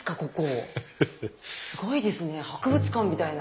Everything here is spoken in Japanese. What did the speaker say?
すごいですね博物館みたいな。